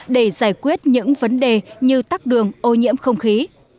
để giải quyết những vấn đề như tắc đường ô nhiễm không khí